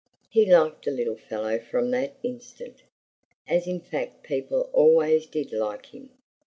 He liked the little fellow from that instant as in fact people always did like him.